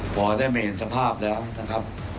พอได้ไม่เห็นสภาพแล้วนะครับ